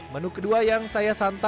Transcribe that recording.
menu kedua yang saya santai